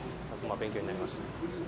勉強になりました。